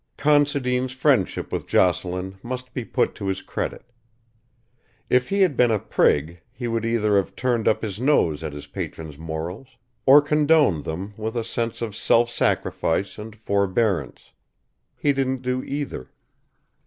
Considine's friendship with Jocelyn must be put to his credit. If he had been a prig he would either have turned up his nose at his patron's morals or condoned them with a sense of self sacrifice and forbearance. He didn't do either.